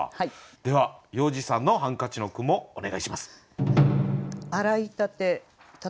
では要次さんの「ハンカチ」の句もお願いします。